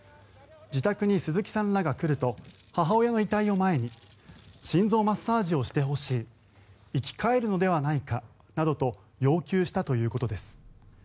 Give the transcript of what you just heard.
自宅に鈴木さんらが来ると母親の遺体を前に心臓マッサージをしてほしい生き返るのではないかなどと要求したということです。